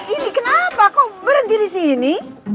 ini kenapa kok berhenti disini